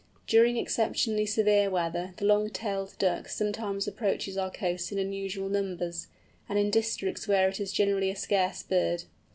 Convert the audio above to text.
During exceptionally severe weather the Long tailed Duck sometimes approaches our coasts in unusual numbers, and in districts where it is generally a scarce bird.